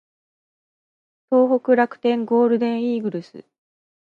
東北楽天ゴールデンイーグルス